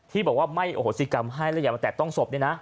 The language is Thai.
ที่บอกว่าไม่อโหสิกรรมให้แล้วอย่ามาแตะต้องศพเนี่ยนะ